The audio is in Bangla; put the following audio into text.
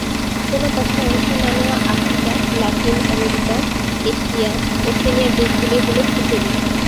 কোনো পক্ষে অংশ না নেওয়া আফ্রিকা, লাতিন আমেরিকা, এশিয়া, ওশেনিয়ার দেশগুলি হলো তৃতীয় বিশ্ব।